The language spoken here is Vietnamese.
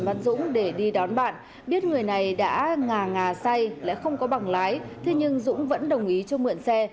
trần văn dũng để đi đón bạn biết người này đã ngà ngà say lại không có bằng lái thế nhưng dũng vẫn đồng ý cho mượn xe